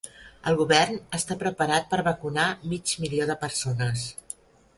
El Govern està preparat per vacunar mig milió de persones.